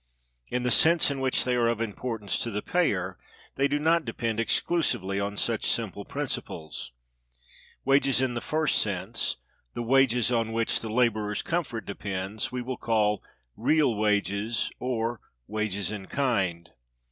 In the sense in which they are of importance to the payer, they do not depend exclusively on such simple principles. Wages in the first sense, the wages on which the laborer's comfort depends, we will call real wages, or wages in kind.